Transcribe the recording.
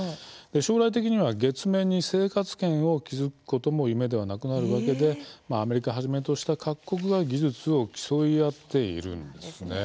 将来的には、月面に生活圏を築くことも夢ではなくなるわけでアメリカはじめとした各国が技術を競い合っているんですね。